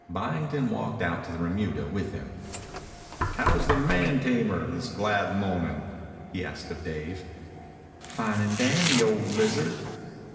Byington walked out to the remuda with him. "How's the man tamer this glad mo'nin'?" he asked of Dave. "Fine and dandy, old lizard."